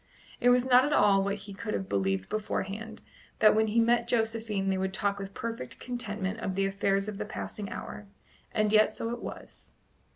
It was not at all what he could have believed beforehand, that when he met Josephine they would talk with perfect contentment of the affairs of the passing hour; and yet so it was.